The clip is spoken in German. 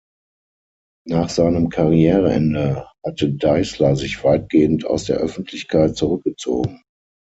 Nach seinem Karriereende hatte Deisler sich weitgehend aus der Öffentlichkeit zurückgezogen.